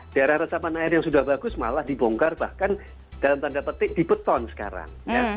daerah resapan air yang sudah bagus malah dibongkar bahkan dalam tanda petik di beton sekarang